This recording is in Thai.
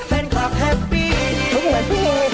ลองดูสักนิดมั้ย